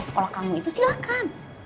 kalau kamu itu silahkan